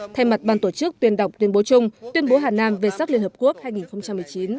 thay mặt ban tổ chức tuyên đọc tuyên bố chung tuyên bố hà nam về sắc liên hợp quốc hai nghìn một mươi chín